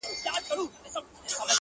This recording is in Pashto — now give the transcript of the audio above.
دا د یزید او کربلا لښکري-